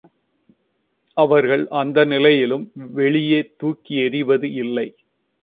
அவர்கள் அந்த நிலையிலும் வெளியே தூக்கி எறிவது இல்லை.